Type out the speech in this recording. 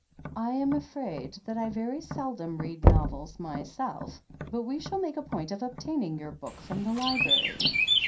"I am afraid that I very seldom read novels myself, but we shall make a point of obtaining your book from the library.